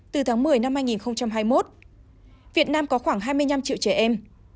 từ tháng một mươi năm hai nghìn hai mươi một việt nam có khoảng hai mươi năm triệu trẻ em